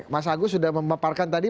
mas agus sudah memaparkan tadi